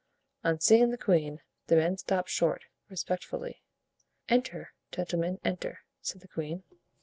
On seeing the queen, the men stopped short, respectfully. "Enter, gentlemen, enter," said the queen.